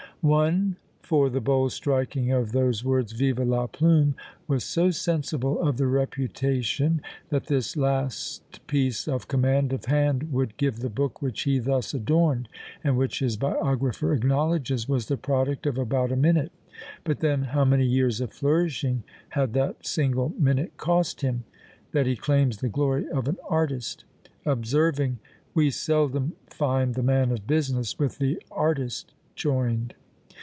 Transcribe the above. One, for "the bold striking of those words, Vive la Plume," was so sensible of the reputation that this last piece of command of hand would give the book which he thus adorned, and which his biographer acknowledges was the product of about a minute, (but then how many years of flourishing had that single minute cost him!) that he claims the glory of an artist; observing, We seldom find The man of business with the artist join'd.